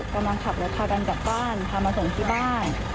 กำลังขับรถพากันกลับบ้านพามาส่งที่บ้าน